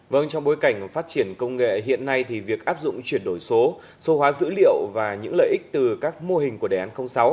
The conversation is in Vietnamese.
vâng trong bối cảnh phát triển công nghệ hiện nay thì việc áp dụng chuyển đổi số số hóa dữ liệu và những lợi ích từ các mô hình của đề án sáu